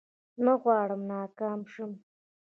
نه غواړم ناکام شم